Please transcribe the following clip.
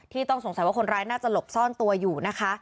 ต้องสงสัยว่าคนร้ายน่าจะหลบซ่อนตัวอยู่นะคะ